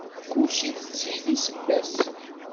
Kulci tettili ssebba-s.